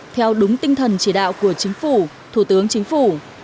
theo đúng tinh thần chỉ đạo của chính phủ thủ tướng chính phủ